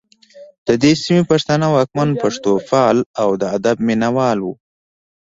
د دې سیمې پښتانه واکمن پښتوپال او د ادب مینه وال وو